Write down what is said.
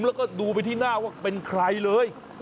แล้วก็ดูไปที่หน้าว่าเป็นใครเลย